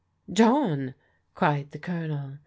"John!" cried the Colonel.